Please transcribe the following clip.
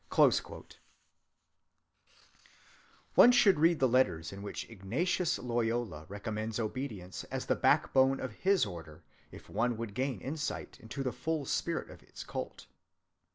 (186) One should read the letters in which Ignatius Loyola recommends obedience as the backbone of his order, if one would gain insight into the full spirit of its cult.